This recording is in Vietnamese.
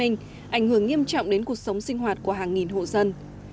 ảnh hưởng nghiêm trọng đến cuộc sống sinh hoạt của hàng nghìn hộ dân